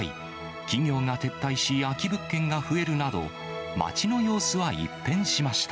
企業が撤退し、空き物件が増えるなど、街の様子は一変しました。